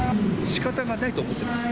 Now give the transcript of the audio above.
しかたがないと思ってます。